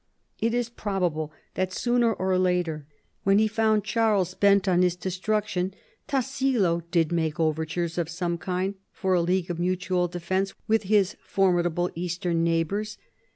It is probable that, sooner or later, when he found Charles bent on his de struction, Tassilo did make overtures of some kind for a league of mutual defence with his formidable eastern neighbors.